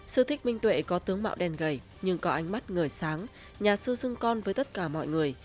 sư thích minh tuệ có tướng mạo đen gầy nhưng có ánh mắt người sáng nhà sư xưng con với tất cả mọi người